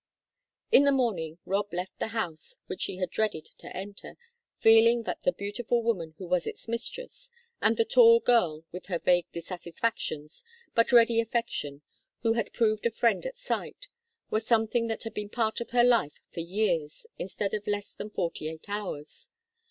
In the morning Rob left the house which she had dreaded to enter, feeling that the beautiful woman who was its mistress, and the tall girl with her vague dissatisfactions, but ready affection, who had proved a friend at sight, were something that had been part of her life for years, instead of less than forty eight hours.